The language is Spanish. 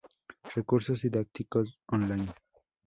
Recursos didácticos on-line.